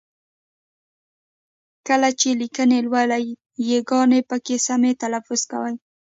کله چې لیکني لولئ ی ګاني پکې سمې تلفظ کوئ!